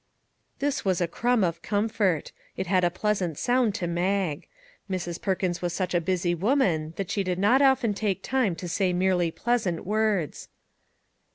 This was a crumb of comfort ; it had a pleas ant sound to Mag. Mrs. Perkins was such a busy woman that she did not often take time to say merely pleasant words.